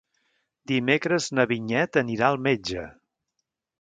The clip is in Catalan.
Dimecres na Vinyet anirà al metge.